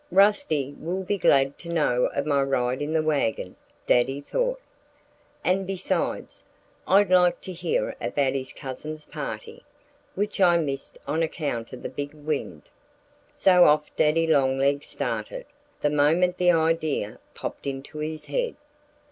"Rusty will be glad to know of my ride in the wagon," Daddy thought. "And besides, I'd like to hear about his cousin's party, which I missed on account of the big wind." So off Daddy Longlegs started, the moment the idea popped into his head.